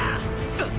あっ。